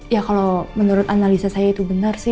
ya kalau menurut analisa saya itu benar sih